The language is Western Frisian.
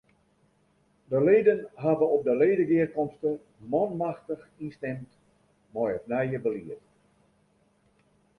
De leden hawwe op de ledegearkomste manmachtich ynstimd mei it nije belied.